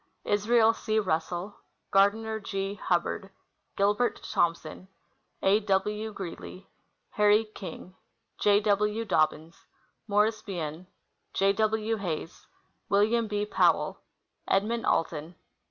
Israel C. Russell. Gardiner G. Hubbard. Gilbert Thompson. A. W. Greely. Harry King. . J. W. Dobbins. Morris Bien. J. W. Hays. Wm. B. Powell. Edmund Alton.